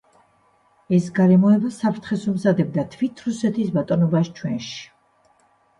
ეს გარემოება საფრთხეს უმზადებდა თვით რუსეთის ბატონობას ჩვენში.